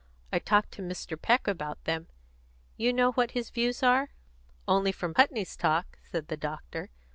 I talked to Mr. Peck about them. You know what his views are?" "Only from Putney's talk," said the doctor.